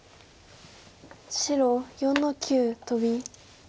白４の九トビ。